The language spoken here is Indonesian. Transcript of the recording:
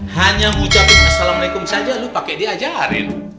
hanya ngucapin assalamualaikum saja lu pake diajarin